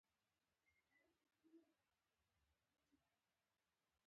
ټولو مشتریانو په لاټرۍ کې برخه اخیستلی شوه.